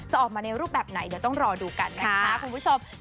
ออกมาในรูปแบบไหนเดี๋ยวต้องรอดูกันนะคะคุณผู้ชม